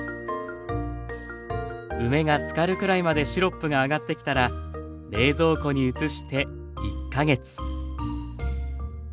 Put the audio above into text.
梅がつかるくらいまでシロップが上がってきたら冷蔵庫に移して１か月。